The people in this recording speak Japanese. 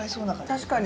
確かに。